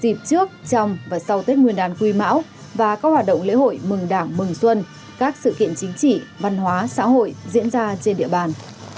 dịp trước trong và sau tết nguyên đán quý mão và các hoạt động lễ hội mừng đảng mừng xuân các sự kiện chính trị văn hóa xã hội diễn ra trên địa bàn